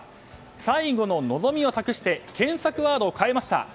最後の望みを託して検索ワードを変えました。